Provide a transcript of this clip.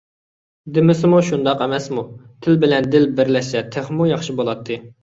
دېمىسىمۇ شۇنداق ئەمەسمۇ، تىل بىلەن دىل بىرلەشسە تېخىمۇ ياخشى بولاتتى.